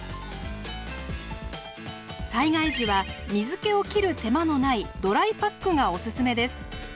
災害時は水けを切る手間のないドライパックがおすすめです。